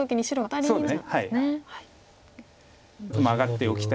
そうですね。